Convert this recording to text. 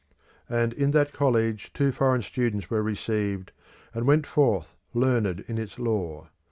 And in that college two foreign students were received, and went forth learned in its lore.